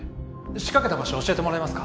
仕掛けた場所教えてもらえますか？